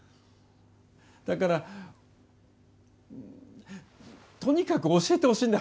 だからとにかく、教えてほしいんだ